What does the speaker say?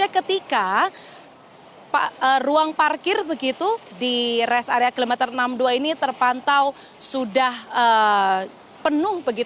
ketika ruang parkir begitu di res area kilometer enam puluh dua ini terpantau sudah penuh